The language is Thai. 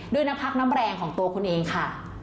ด้วยน้ำพักน้ำแรงของตัวคุณเองค่ะ